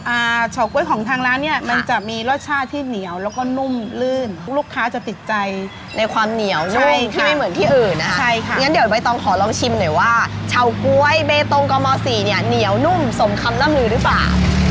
เฉาก๊วยของทางร้านเนี้ยมันจะมีรสชาติที่เหนียวแล้วก็นุ่มลื่นลูกค้าจะติดใจในความเหนียวนุ่มที่ไม่เหมือนที่อื่นนะคะใช่ค่ะงั้นเดี๋ยวใบตองขอลองชิมหน่อยว่าเฉาก๊วยเบตงกมสี่เนี้ยเหนียวนุ่มสมคำล่ำลือหรือเปล่า